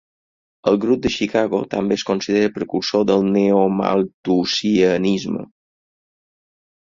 El grup de Chicago també es considera precursor del neomalthusianisme.